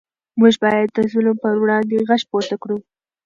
موږ باید د ظلم پر وړاندې غږ پورته کړو.